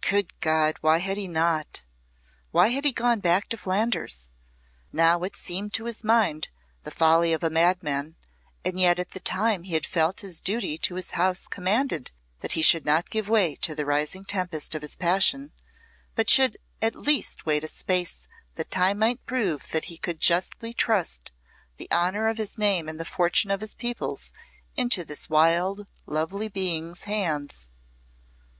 Good God, why had he not? Why had he gone back to Flanders? Now it seemed to his mind the folly of a madman, and yet at the time he had felt his duty to his house commanded that he should not give way to the rising tempest of his passion, but should at least wait a space that time might prove that he could justly trust the honour of his name and the fortune of his peoples into this wild, lovely being's hands.